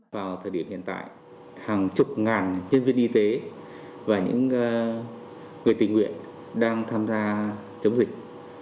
vào thời điểm hiện tại hàng chục ngàn nhân viên y tế và những người tình nguyện đang tham gia chống dịch